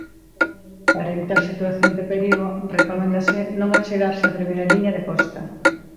Para evitar situacións de perigo recoméndase non achegarse a primeira liña de costa.